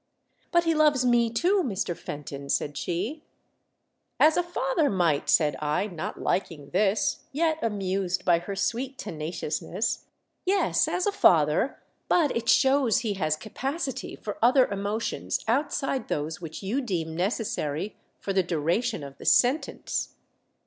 " But he loves me too, Mr. Fenton," said she. 232 THE DEATH SHIP. "As a father might," said I, not liking this, yet amused by her sweet tenaciousness. "Yes, as a father; but it shows he has capacity for other emotions outside those which you deem necessary for the duration of the Sentence."